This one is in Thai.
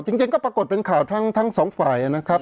จริงก็ปรากฏเป็นข่าวทั้งสองฝ่ายนะครับ